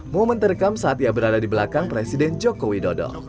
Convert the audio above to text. momen terekam saat ia berada di belakang presiden joko widodo